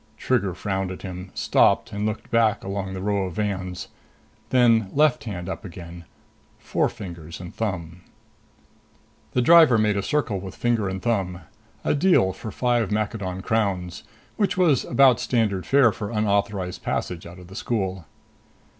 Trigger frowned at him, stopped and looked back along the row of vans. Then left hand up again four fingers and thumb. The driver made a circle with finger and thumb. A deal, for five Maccadon crowns. Which was about standard fare for unauthorized passage out of the school.